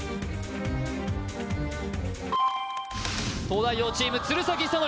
東大王チーム鶴崎修功